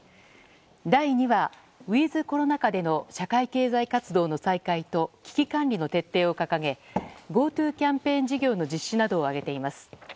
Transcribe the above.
第２波、ウィズコロナ下での社会経済活動の再開と危機管理の徹底を掲げＧｏＴｏキャンペーン事業の実施などを挙げています。